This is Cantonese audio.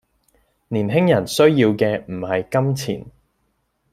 年輕人需要嘅唔係金錢